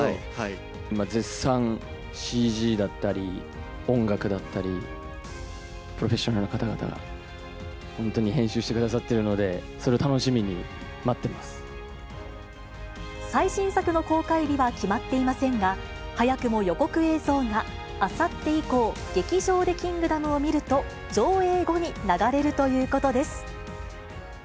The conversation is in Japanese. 今、絶賛、ＣＧだったり、音楽だったり、プロフェッショナルの方々が本当に編集してくださってるので、最新作の公開日は決まっていませんが、早くも予告映像が、あさって以降、劇場でキングダムを見ると、上映後に流れるということです。